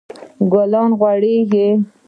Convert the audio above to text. ګلونه غوړیږي